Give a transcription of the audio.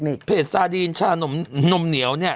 ล่าสุดเพจซาดีนชานมเหนียวเนี่ย